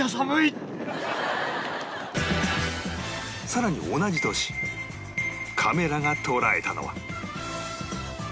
更に同じ年カメラが捉えたのは